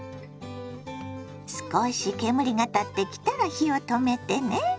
少し煙が立ってきたら火を止めてね。